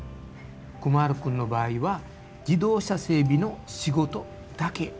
クマラ君の場合は自動車整備の仕事だけ。